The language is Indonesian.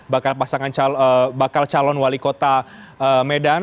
bakal calon wali kota medan